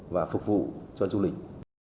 và phục vụ cho du lịch